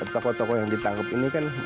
tokoh tokoh yang ditangkap ini kan